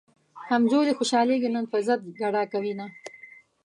همزولي خوشحالېږي نن پۀ ضد ګډا کوينه